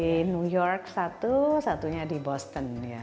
di new york satu satunya di boston ya